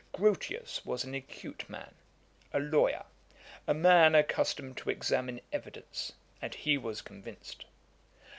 Grotius was an acute man, a lawyer, a man accustomed to examine evidence, and he was convinced.